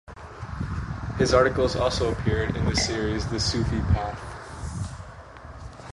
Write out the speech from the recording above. His articles also appeared in the series The Sufi Path.